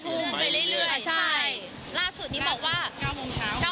ไปเรื่อยใช่ล่าสุดนี้บอกว่า๙โมงเช้า